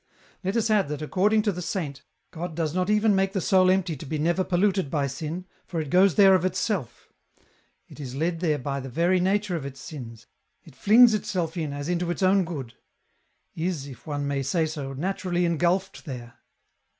" Let us add that according to the saint, God does not even make the soul empty to be never polluted by sin, for it goes there of itself ; it is led there by the very nature of 240 EN ROUTE. its sins, it flings itself in as into its own good ; is, if one may say so, naturally engulfed there.